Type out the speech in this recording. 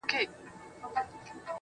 خو خپه كېږې به نه~